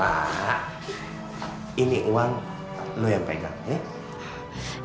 pak ini uang lo yang pegang ya